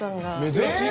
珍しい。